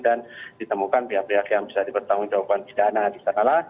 dan ditemukan pihak pihak yang bisa dipertanggung jawaban bidana di sana